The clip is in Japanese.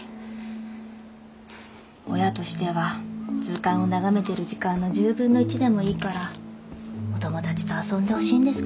親としては図鑑を眺めてる時間の１０分の１でもいいからお友達と遊んでほしいんですけどね。